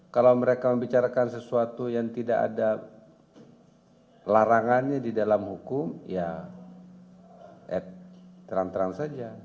kalau mereka membicarakan sesuatu yang tidak ada larangannya di dalam hukum ya terang terang saja